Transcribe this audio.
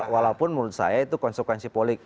walaupun menurut saya itu konsekuensi politik